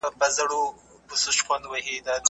ماشومان په پارک کې په خوښۍ سره لوبې کوي.